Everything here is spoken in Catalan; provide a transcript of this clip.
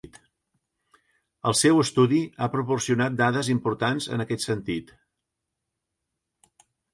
El seu estudi ha proporcionat dades importants en aquest sentit.